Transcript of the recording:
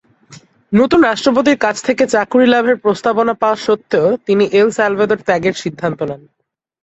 নতুন রাষ্ট্রপতির কাছ থেকে চাকুরী লাভের প্রস্তাবনা পাওয়া স্বত্বেও তিনি এল সালভাদর ত্যাগের সিদ্ধান্ত নেন।